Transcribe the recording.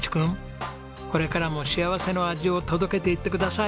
これからも幸せの味を届けていってください。